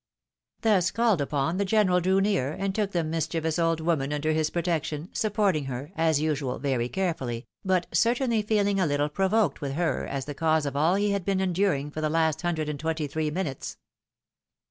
Thus called upon, the general drew near, and took the mis chievous old woman under his protection, supporting her, as usual, very carefully, but certainly feeling a httle provoked with her as the cause of all he had been enduring for the last hun dred and twenty three minutes.